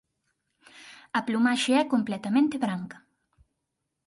A plumaxe é completamente branca.